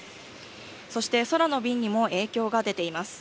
そして空の便にも影響が出ています。